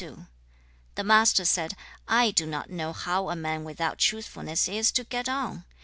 The Master said, 'I do not know how a man without truthfulness is to get on.